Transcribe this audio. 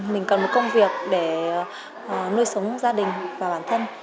mình cần một công việc để nuôi sống gia đình và bản thân